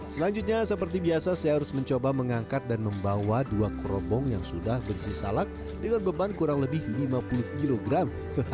selanjutnya seperti biasa saya harus mencoba mengangkat dan membawa dua kerobong yang sudah berisi salak dengan beban kurang lebih lima puluh kilogram